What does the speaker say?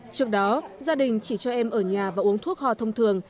trước đó gia đình chỉ cho em ở nhà và uống thuốc hò thông thường